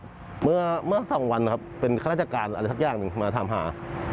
ก็เกือบ๒๐ปีแล้วครับเมื่อ๒วันเป็นฆาตราชการอะไรทักอย่างมาถามหา